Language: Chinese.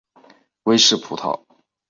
威氏葡萄